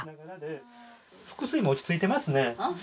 腹水も落ち着いてますね。